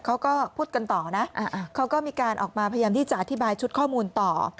เขาก็พูดกันต่อนะเขาก็มีการออกมาพยายามที่จะอธิบายชุดข้อมูลต่อ